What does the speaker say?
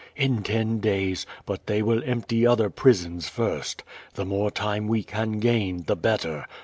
*'In ten days, but they will empty other prisons first. The more time we can gain, the better.